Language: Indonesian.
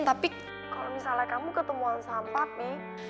tapi kalo misalnya kamu ketemuan sama papi